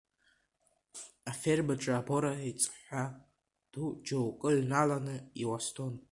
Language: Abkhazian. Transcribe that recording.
Афермаҿы абора еиҵҳәа ду џьоукы ҩналаны иуасҭон.